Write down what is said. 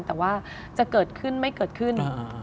แต่ว่าจะเกิดขึ้นไม่เกิดขึ้น